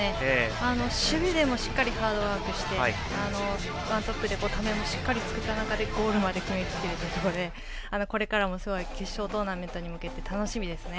守備でもしっかりハードワークしてためをしっかり作った中でゴールまで組み立てたということでこれからもすごい決勝トーナメントに向けて楽しみですよね。